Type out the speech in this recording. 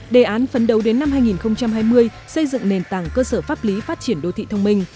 đề án phấn đấu đến năm hai nghìn hai mươi xây dựng nền tảng cơ sở pháp lý phát triển đô thị thông minh